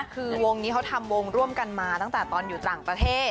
คือวงนี้เขาทำวงร่วมกันมาตั้งแต่ตอนอยู่ต่างประเทศ